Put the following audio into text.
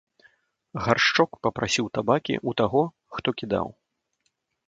Гаршчок папрасіў табакі ў таго, хто кідаў.